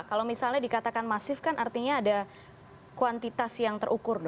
kalau misalnya dikatakan masif kan artinya ada kuantitas yang terukur